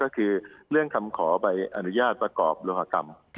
ก็คือเรื่องคำขอใบอนุญาตประกอบโลหกรรม